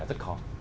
là rất khó